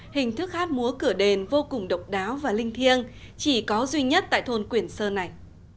hình thức hát múa cửa đền vô cùng độc đáo và linh thiêng chỉ có duy nhất tại thôn quyển sơn này